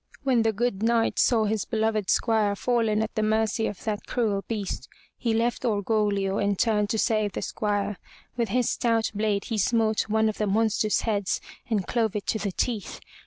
When the good Knight saw his beloved squire fallen at mercy of that cruel beast, he left Orgoglio and turned to save the squire. With his stout blade he smote one of the monster's heads and clove it to the teeth.